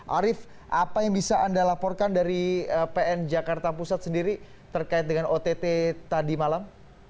arief apa yang bisa anda laporkan dari pn jakarta pusat sendiri terkait dengan ott tadi malam